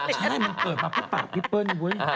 ใช่มันเกิดมาเพื่อปากพี่เปิ้ลเว้ย